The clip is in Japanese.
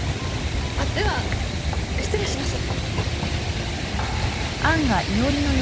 あっでは失礼します。